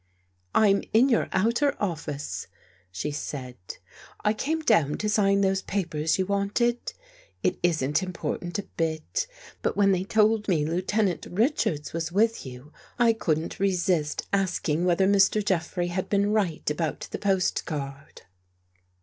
" I'm in your outer office," she said. " I came down to sign those papers you wanted. It isn't im portant a bit. But when they told me Lieutenant Richards was with you, I couldn't resist asking whether Mr. Jeffrey had been right about the post card."